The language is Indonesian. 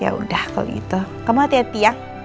ya udah kalau gitu kamu hati hati ya